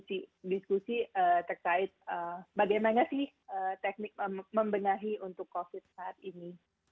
jadi ada diskusi terkait bagaimana sih teknik membenahi untuk covid saat ini